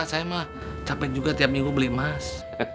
saya mah capek juga tiap minggu beli emas